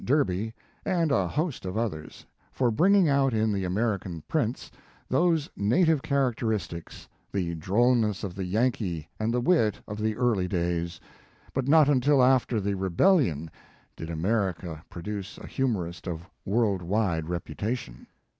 Derby and a host of others, for bringing out in the American prints, those native characteristics, thedrollness of the yankee and the wit of the early days, but not until after the Rebellion did America produce a humorist of world wide reputa tion.